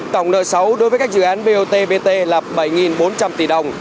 tổng nợ sáu đối với các dự án bot bt là bảy bốn trăm linh tỷ đồng